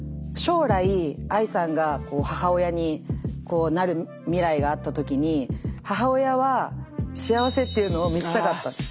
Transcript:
将来ＡＩさんが母親になる未来があった時に母親は幸せっていうのを見せたかった。